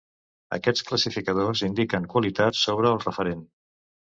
Aquests classificadors indiquen qualitats sobre el referent.